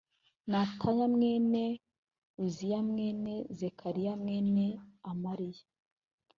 ni ataya mwene uziya mwene zekariya mwene amariya